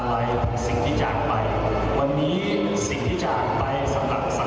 วันนี้สิ่งที่จากไปสำหรับสักคนใคร